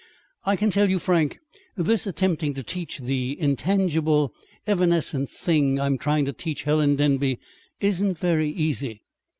I can tell you, Frank, this attempting to teach the intangible, evanescent thing I'm trying to teach Helen Denby isn't very easy.